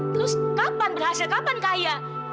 terus kapan berhasil kapan kaya